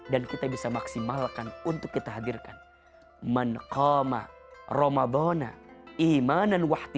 dan kita bisa maksimalkan untuk kita hadirkan